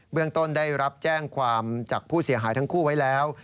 เรื่องต้นได้รับแจ้งความจากผู้เสียหายทั้งคู่ไว้แล้ว